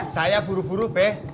saya buru buru peh